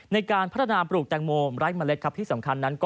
ในการพัฒนาปลูกแตงโมไร้เมล็ดครับที่สำคัญนั้นก็